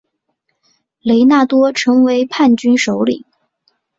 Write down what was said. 雷纳多成为叛军首领。